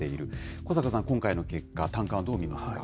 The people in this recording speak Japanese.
小坂さん、今回の結果、短観をどう見ますか。